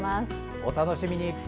お楽しみに。